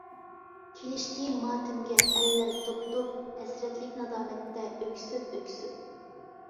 كېلىشتى ماتىمىگە ئەللەر توپ-توپ، ھەسرەتلىك نادامەتتە ئۆكسۈپ-ئۆكسۈپ!